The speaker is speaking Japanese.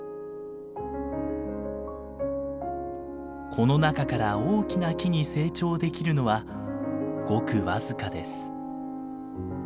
この中から大きな木に成長できるのはごく僅かです。